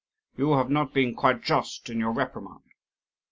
You have not been quite just in your reprimand.